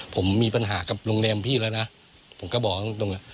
ผมมีปัญหากับโรงแรมพี่แล้วนะผมก็บอกตรงแล้ว